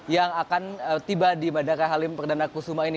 yang akan tiba di bandara halim perdana kusuma ini